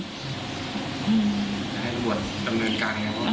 ได้ระบวนดำเนินการอย่างไร